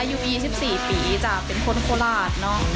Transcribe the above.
อายุ๒๔ปีจ้ะเป็นคนโคราชเนอะ